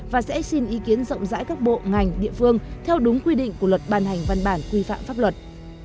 và sẽ xin ý kiến rộng rãi các bộ ngành địa phương theo đúng quy định của luật ban hành văn bản quy phạm pháp luật